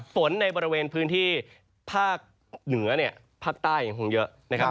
ในบริเวณพื้นที่ภาคเหนือเนี่ยภาคใต้ยังคงเยอะนะครับ